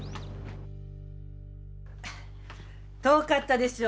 遠かったでしょ。